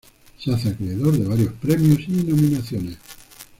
Se hace acreedor de varios premios y nominaciones.